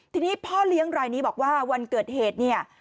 ทีนี้พ่อเลี้ยงรายนี้บอกว่าวันเกิดเหตุเนี่ย